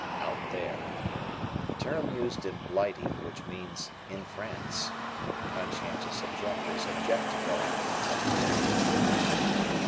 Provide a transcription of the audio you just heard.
"Out there." A term used in Blighty which means "in France." Conscientious objectors object to going "out there."